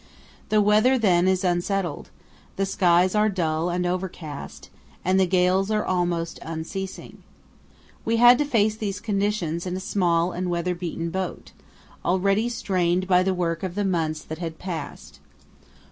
The weather then is unsettled, the skies are dull and overcast, and the gales are almost unceasing. We had to face these conditions in a small and weather beaten boat, already strained by the work of the months that had passed.